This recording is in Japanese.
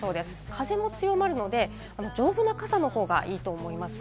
風も強まるので、丈夫な傘の方がいいと思います。